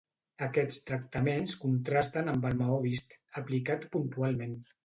Aquests tractaments contrasten amb el maó vist, aplicat puntualment.